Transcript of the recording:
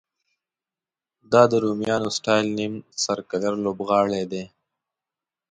دا د رومیانو سټایل نیم سرکلر لوبغالی دی.